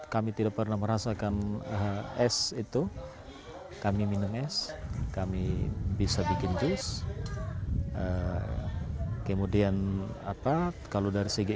kami tidak pernah merasakan es itu kami minum es kami bisa bikin jus kemudian apa kalau dari segi